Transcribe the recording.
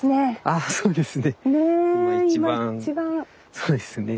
あそうですね。ね